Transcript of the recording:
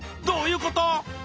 どういうこと？